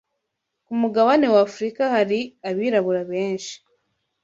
ku mugabane w’Afurika hari abirabura benshi